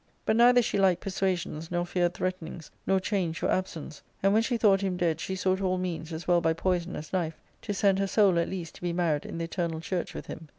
But neither she liked persuasions, nor feared threatenings, nor changed for absence ; and when she thought him dead, she sought all means, as well by poison as knife, to send her soul at least to be married in the eternal Church with him.